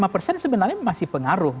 dua puluh lima persen sebenarnya masih pengaruh